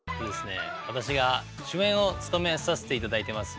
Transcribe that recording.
私が主演を務めさせて頂いてます